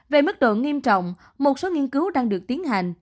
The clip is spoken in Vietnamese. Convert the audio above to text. về mức độ nghiêm trọng một số nghiên cứu đang được tiến hành